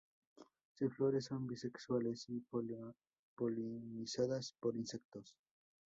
Sus flores son bisexuales y polinizadas por insectos.